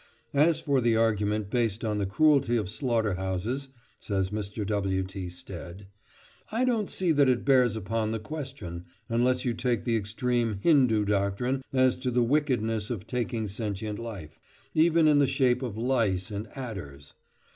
"As for the argument based on the cruelty of slaughter houses," says Mr. W. T. Stead, "I don't see that it bears upon the question, unless you take the extreme Hindoo doctrine as to the wickedness of taking sentient life, even in the shape of lice and adders."